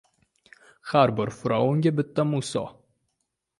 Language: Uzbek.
• Har bir fir’avnga bitta Muso.